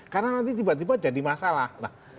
karena nanti tiba tiba jadi masalah